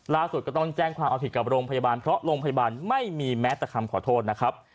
ก็ต้องแจ้งความเอาผิดกับโรงพยาบาลเพราะโรงพยาบาลไม่มีแม้แต่คำขอโทษนะครับ